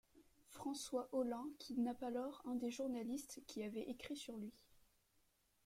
François Holin kidnappe alors un des journalistes qui avaient écrit sur lui.